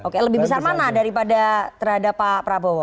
oke lebih besar mana daripada terhadap pak prabowo